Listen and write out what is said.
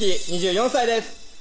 ２４歳です